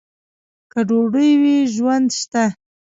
که ډوډۍ وي، ژوند شته.